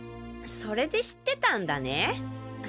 それで知ってたんだね。